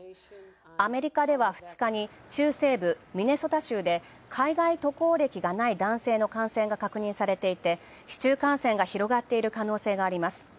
アメリカでは２日に中西部、ミネソタ州で海外渡航歴がない男性の感染が確認されていて、市中感染の可能性があります。